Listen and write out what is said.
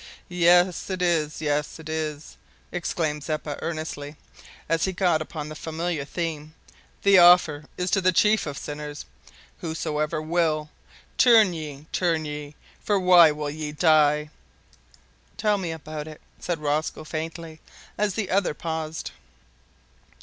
"Yes, it is! yes, it is!" exclaimed Zeppa eagerly, as he got upon the familiar theme; "the offer is to the chief of sinners, `Whosoever will,' `Turn ye, turn ye, for why will ye die?'" "Tell me about it" said Rosco faintly, as the other paused.